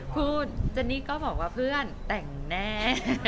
เจนนี่ก็บอกว่าเพื่อนแต่งแน่